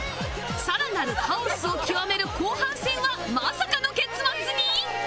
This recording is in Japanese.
更なるカオスを極める後半戦はまさかの結末に？